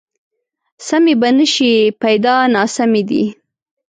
سمې به نه شي، پیدا ناسمې دي